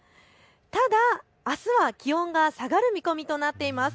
ただあすは気温が下がる見込みとなっています。